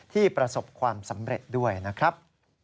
ประสบความสำเร็จด้วยนะครับ